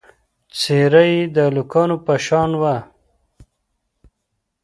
څېره یې د هلکانو په شان وه.